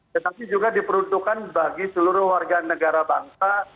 tetapi juga diperuntukkan bagi seluruh warga negara bangsa